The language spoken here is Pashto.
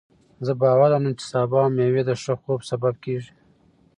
زه باور لرم چې سبو او مېوې د ښه خوب سبب کېږي.